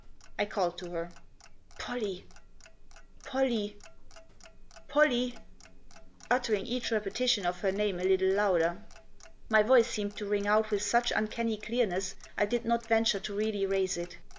I called to her :" Pollie ! Pollie ! Pollie !" uttering each repetition of her name a little louder. My voice seemed to ring out with such uncanny clearness I did not venture to really raise it.